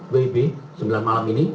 wb sembilan malam ini